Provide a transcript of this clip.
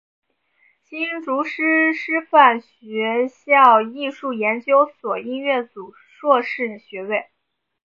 新竹师范学校艺术研究所音乐组硕士学位。